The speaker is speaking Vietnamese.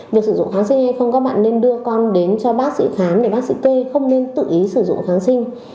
việc sử dụng kháng sinh hay không các bạn nên đưa con đến cho bác sĩ khám để bác sĩ kê không nên tự ý sử dụng kháng sinh